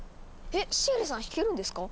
えっシエリさん弾けるんですか？